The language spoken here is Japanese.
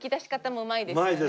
うまいですよね。